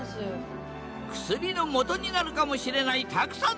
薬のもとになるかもしれないたくさんのカビたち。